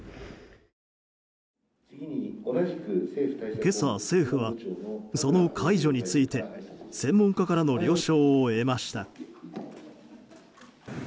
今朝、政府はその解除について専門家からの了承を得ました。